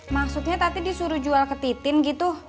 maksudnya tadi disuruh jual ke titin gitu